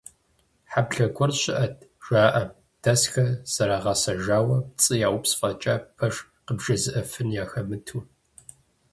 Хьэблэ гуэр щыӀэт, жаӀэ, дэсхэр зэрыгъэсэжауэ, пцӀы яупс фӀэкӀа, пэж къыбжезыӀэфын яхэмыту.